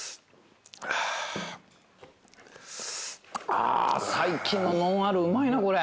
あ最近のノンアルうまいなこれ。